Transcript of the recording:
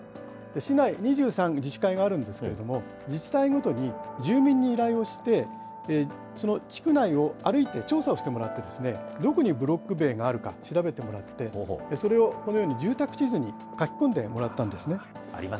市内２３の自治会があるんですけど、自治会ごとに住民に依頼をして、その地区内を歩いて調査をしてもらって、どこにブロック塀があるか調べてもらって、それをこのように、住宅地図に書き込んでもらったんですね。